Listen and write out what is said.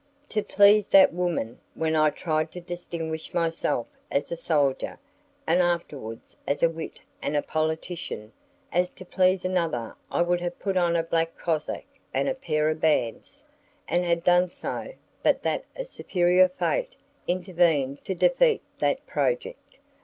To please that woman then I tried to distinguish myself as a soldier, and afterwards as a wit and a politician; as to please another I would have put on a black cassock and a pair of bands, and had done so but that a superior fate intervened to defeat that project.